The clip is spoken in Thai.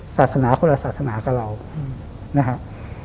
ศาสนาคนละศาสนากับเรานะครับ